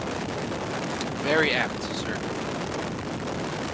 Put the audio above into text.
Very apt, sir.